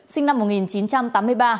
sinh năm một nghìn chín trăm tám mươi ba